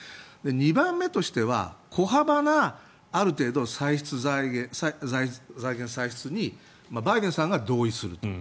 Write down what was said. ２番目としては小幅な、ある程度の財源歳出にバイデンさんが同意すると。